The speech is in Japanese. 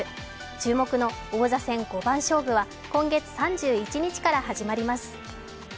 注目の王座戦五番勝負は今月３１日から始まります。